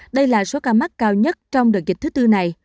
đây là số ca mắc cao nhất trong đợt dịch thứ tư này